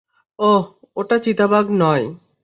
ওহ, ওটা চিতাবাঘ নয়।